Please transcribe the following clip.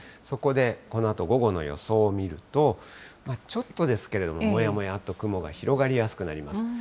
そこで、このあと午後の予想を見ると、ちょっとですけれども、もやもやっと雲が広がりやすくなります。